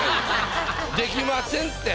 できませんって。